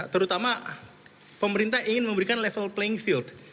terutama pemerintah ingin memberikan level playing field